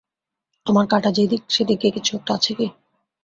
তোমার কাঁটা যে দিকে, সে দিকে কিছু একটা আছে কি?